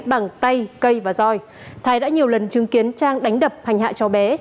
bằng tay cây và roi thái đã nhiều lần chứng kiến trang đánh đập hành hại cho bé